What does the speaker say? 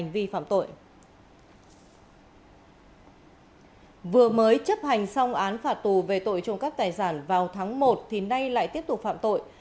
vừa mới chấp hành xong án phạt tù về tội trộm cắp tài sản vào tháng một thì nay lại tiếp tục phạm tội